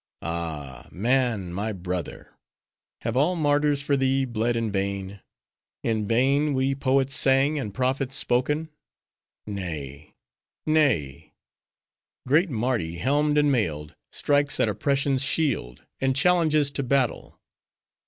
Ah, man, my brother! have all martyrs for thee bled in vain; in vain we poets sang, and prophets spoken? Nay, nay; great Mardi, helmed and mailed, strikes at Oppression's shield, and challenges to battle!